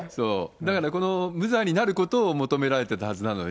だから、無罪になることを求められてたはずなのに。